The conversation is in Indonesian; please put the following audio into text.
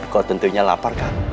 kau tentunya lapar kan